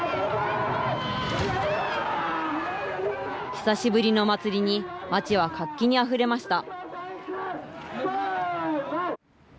久しぶりの祭りに、町は活気にあふれました。